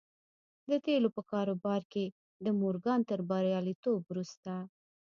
د تيلو په کاروبار کې د مورګان تر برياليتوب وروسته.